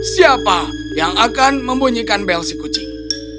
siapa yang akan membunyikan bel sikucing